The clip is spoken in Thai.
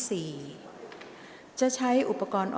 ออกรางวัลเลขหน้า๓ตัวครั้งที่๒